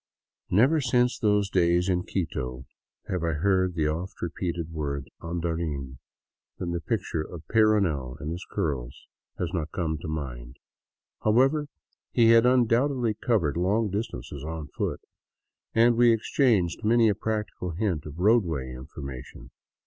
Never since those days in Quito have I heard the oft repeated word *' andarin," than the picture of Peyrounel and his curls has not come to mind. However, he had undoubtedly covered long distances on foot, and we exchanged many a practical hint of roadway information.